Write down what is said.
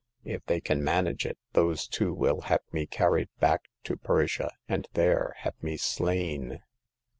If they can manage it, those two will have me carried back to Persia, and there have me slain."